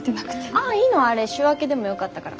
ああいいのあれ週明けでもよかったから。